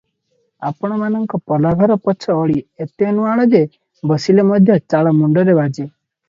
ପାଣମାନଙ୍କ ପଲାଘର ପଛ ଓଳି ଏତେ ନୁଆଣ ଯେ, ବସିଲେ ମଧ୍ୟ ଚାଳ ମୁଣ୍ଡରେ ବାଜେ ।